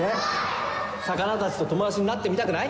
・魚たちと友達になってみたくない？